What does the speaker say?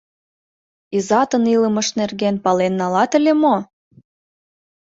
Изатын илымыж нерген пален налат ыле мо?